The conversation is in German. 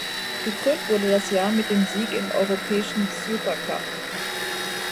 Gekrönt wurde das Jahr mit dem Sieg im europäischen Supercup.